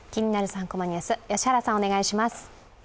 ３コマニュース」、良原さん、お願いします。